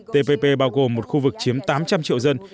tpp bao gồm một khu vực chiếm tám trăm linh triệu dân